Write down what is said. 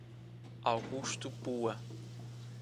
Augusto Pua